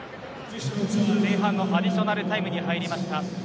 前半のアディショナルタイムに入りました。